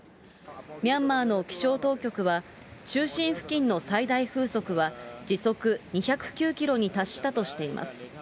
ミャンマーの気象当局は、中心付近の最大風速は、時速２０９キロに達したとしています。